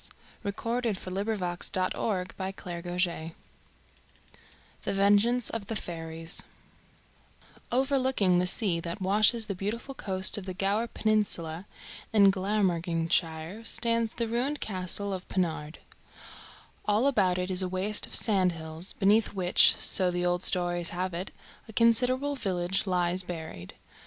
[Illustration: St. David's Cathedral] THE VENGEANCE OF THE FAIRIES Overlooking the sea that washes the beautiful coast of the Gower Peninsula in Glamorganshire stands the ruined castle of Pennard. All about it is a waste of sandhills, beneath which, so the old stories have it, a considerable village lies buried.